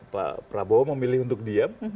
pak prabowo memilih untuk diam